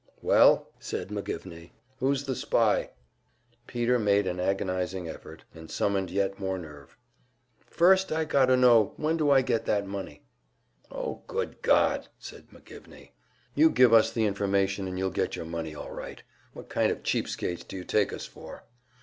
"Well," said McGivney, "who's the spy?" Peter made an agonizing, effort, and summoned yet more nerve. "First, I got to know, when do I get that money?" "Oh, good God!" said McGivney. "You give us the information, and you'll get your money all right. What kind of cheap skates do you take us for?"